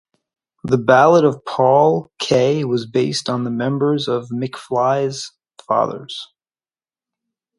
The Ballad of Paul K was based on the members of Mcfly's fathers.